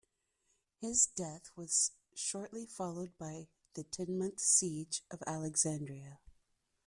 His death was shortly followed by the ten-month siege of Alexandria.